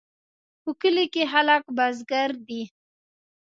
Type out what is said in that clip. په کلي کې خلک بزګر دي